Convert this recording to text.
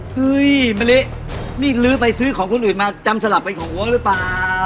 เฮ้ยมารินี่ลื้อไปซื้อของคนอื่นมาจำสลับไปของโอ้ยหรือเปล่าโอ้ย